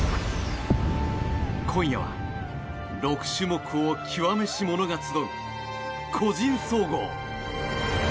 今夜は６種目を極めし者が集う個人総合。